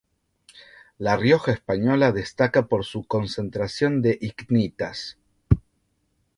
La Rioja española destaca por su concentración de icnitas.